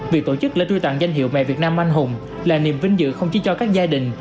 việc tổ chức lễ truy tặng danh hiệu mẹ việt nam anh hùng là niềm vinh dự không chỉ cho các gia đình